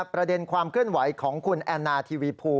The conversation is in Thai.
ประเด็นความเคลื่อนไหวของคุณแอนนาทีวีภู